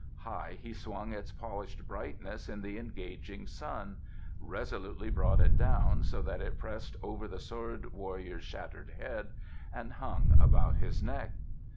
High he swung its polished brightness in the engaging sun, resolutely brought it down, so that it pressed over the sword warrior's shattered head and hung about his neck.